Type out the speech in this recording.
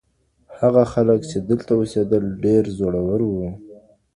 هغه خلک چي دلته اوسېدل ډېر زړور وو.